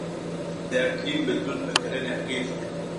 د اقلیم بدلون په کرنه اغیز لري.